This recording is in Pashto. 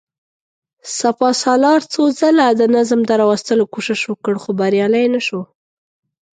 سپهسالار څو ځله د نظم د راوستلو کوشش وکړ، خو بريالی نه شو.